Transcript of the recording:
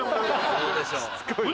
そうでしょう？